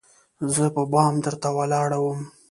زه په بام درته ولاړه وم